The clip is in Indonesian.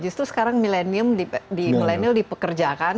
justru sekarang milenial di pekerjaan